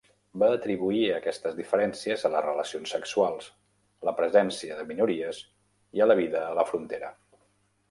Va atribuir aquestes diferències a les relacions sexuals, la presència de minories i la vida a la frontera.